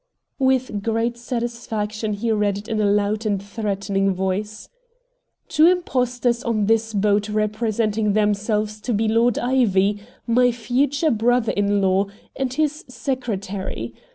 With great satisfaction he read it in a loud and threatening voice: "Two impostors on this boat representing themselves to be Lord Ivy, my future brother in law, and his secretary.